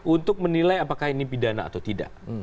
untuk menilai apakah ini pidana atau tidak